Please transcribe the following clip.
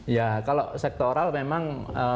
ya kalau sektoral memang